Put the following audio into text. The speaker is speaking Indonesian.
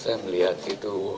saya melihat gitu